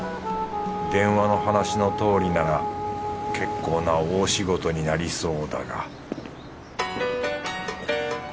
電話の話のとおりなら結構な大仕事になりそうだが